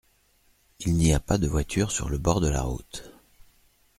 Il n’y a pas de voiture sur le bord de la route.